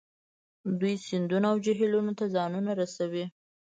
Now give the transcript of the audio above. دوی سیندونو او جهیلونو ته ځانونه رسوي